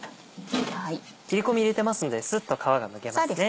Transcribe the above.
切り込み入れてますんでスッと皮がむけますね。